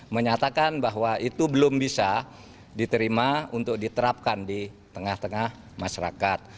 menyatakan bahwa itu belum bisa diterima untuk diterapkan di tengah tengah masyarakat